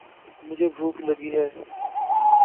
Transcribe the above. مجھے بھوک لگی ہے۔